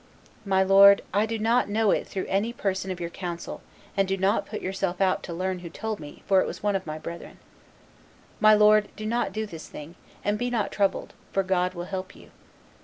"My lord, I do not know it through any person of your council, and do not put yourself out to learn who told me, for it was one of my brethren. My lord, do not do this thing; and be not troubled, for God will help you."